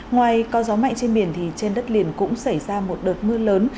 ngoài có gió mạnh trên biển thì trên đất liền cũng xảy ra một đợt mưa lớn